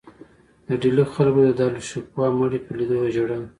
د ډیلي خلکو د داراشکوه د مړي په لیدو ژړل.